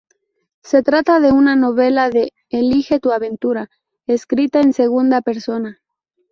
Se trata de una novela de "elige tu aventura", escrita en segunda persona.